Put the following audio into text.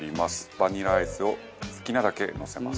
バニラアイスを好きなだけのせます。